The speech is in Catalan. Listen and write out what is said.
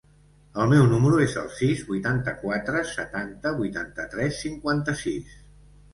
El meu número es el sis, vuitanta-quatre, setanta, vuitanta-tres, cinquanta-sis.